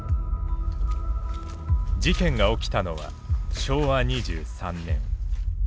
事件が起きたのは昭和２３年。